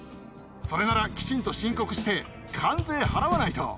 それならきちんと申告して、関税払わないと。